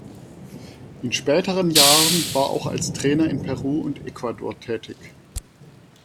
In späteren Jahren war auch als Trainer in Peru und Ecuador tätig.